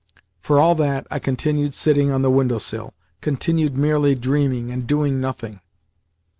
For all that, I continued sitting on the window sill, continued merely dreaming, and doing nothing.